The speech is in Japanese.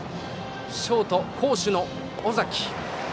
ショート、好守の尾崎。